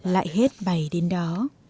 lại hết bày đến đó